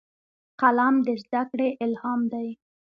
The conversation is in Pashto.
قلم د زدهکړې الهام دی